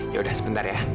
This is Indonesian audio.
yaudah sebentar ya